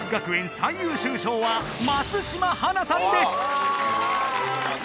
最優秀賞は松島花さんです